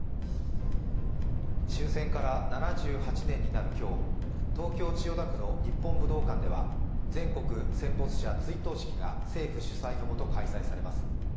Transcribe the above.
終戦から７８年になる今日、東京・千代田区の日本武道館では全国戦没者追悼式が政府主催のもと開催されます。